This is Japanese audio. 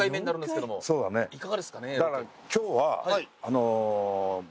だから今日は。